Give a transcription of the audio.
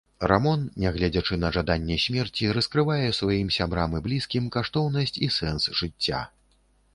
Рамон, нягледзячы на жаданне смерці, раскрывае сваім сябрам і блізкім каштоўнасць і сэнс жыцця.